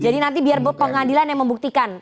jadi nanti biar pengadilan yang membuktikan